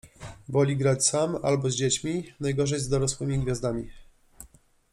Woli grać sam albo z dziećmi, najgorzej z dorosłymi gwiazdami.